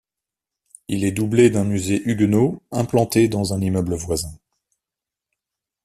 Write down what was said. Il est doublé d’un musée huguenot implanté dans un immeuble voisin.